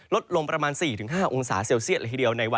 ลดลงประมาณ๔๕องศาเซลเซียตเลยทีเดียว